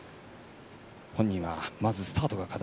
本人はまずスタートが課題。